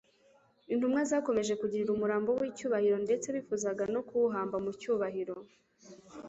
intumwa zakomeje kugirira umurambo we icyubahiro ndetse bifuzaga no kuwuhamba mu cyubahiro,